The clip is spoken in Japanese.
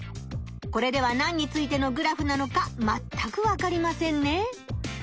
これでは何についてのグラフなのかまったくわかりませんね。